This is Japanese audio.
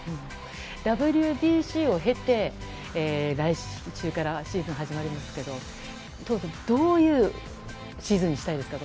ＷＢＣを経て、来週からシーズン始まるんですけど戸郷さん、どういうシーズンにしたいですか？